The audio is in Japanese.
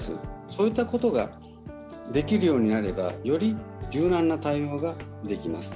そういったことができるようになればより柔軟な対応ができます。